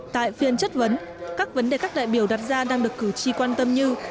tại phiên chất vấn các vấn đề các đại biểu đặt ra đang được cử tri quan tâm như